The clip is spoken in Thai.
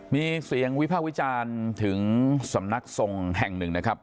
มีเสียงวิพากษ์วิจารณ์ถึงสำนักทรงแห่งหนึ่งนะครับ